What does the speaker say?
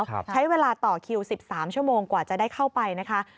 ใช้เวลาต่อคิว๑๓ชั่วโมงกว่าจะได้เข้าไปนะคะ